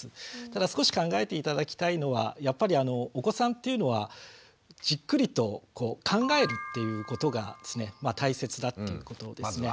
ただ少し考えて頂きたいのはやっぱりお子さんっていうのはじっくりと考えるっていうことが大切だっていうことですね。